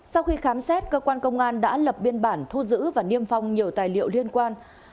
sau khi khám xét cơ quan công an đã lập biên bản thu giữ và niêm phong nhiều tài liệu liên quan